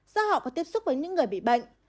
do họ có tiếp xúc với những người bị bệnh